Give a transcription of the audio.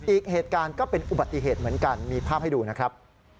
อีกเหตุการณ์ก็เป็นอุบัติเหตุเหมือนกันมีภาพให้ดูนะครับ